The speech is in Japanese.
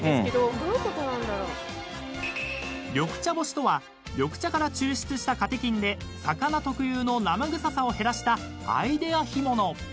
［緑茶干しとは緑茶から抽出したカテキンで魚特有の生臭さを減らしたアイデア干物］